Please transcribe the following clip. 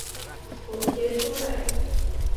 我貼出來